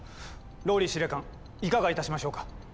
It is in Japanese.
ＲＯＬＬＹ司令官いかがいたしましょうか？